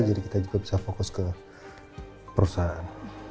jadi kita juga bisa fokus ke perusahaan